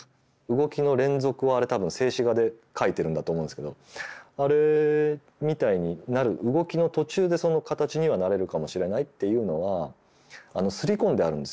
動きの連続をあれ多分静止画で描いてるんだと思うんですけどあれみたいになる動きの途中でその形にはなれるかもしれないっていうのは刷り込んであるんですよ。